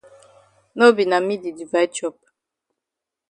No be na me di divide chop.